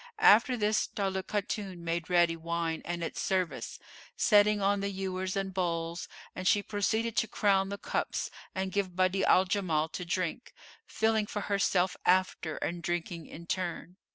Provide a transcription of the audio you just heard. After this Daulat Khatun made ready wine and its service, setting on the ewers and bowls and she proceeded to crown the cups and give Badi'a al Jamal to drink, filling for herself after and drinking in turn.